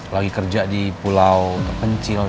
lagi kerja di pulau kecil